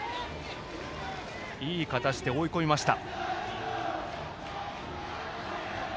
いい形で追い込みました。